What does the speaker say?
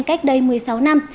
cách đây một mươi sáu năm